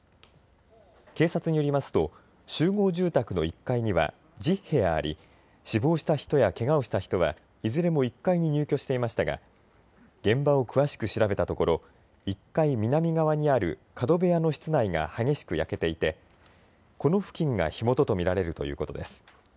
警察によりますと集合住宅の１階には１０部屋あり死亡した人やけがをした人はいずれも１階に入居していましたが現場を詳しく調べたところ１階南側にある角部屋の室内が激しく焼けていてこの付近が火元と見られるということです。